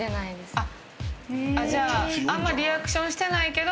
あっじゃああんまりリアクションしてないけど。